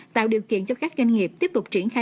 tạo điều kiện cho các doanh nghiệp tiếp tục triển khai